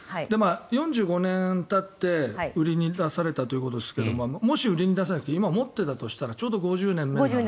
４５年たって売りに出されたということですがもし売りに出されて今持っていたとしたらちょうど５０年目。